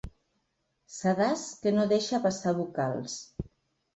Sedàs que no deixa passar vocals.